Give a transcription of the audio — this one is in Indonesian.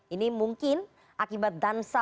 ini mungkin akibat dansa